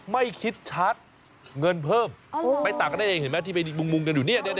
ไม่คิดชัดเงินเพิ่มไม่ต่างกันได้เองเห็นไหมที่ไปมุงกันอยู่เนี่ย